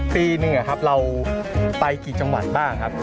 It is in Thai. ปีหนึ่งครับเราไปกี่จังหวัดบ้างครับ